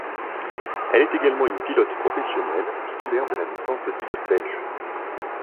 Elle est également une pilote professionnelle, titulaire de la licence de pilote belge.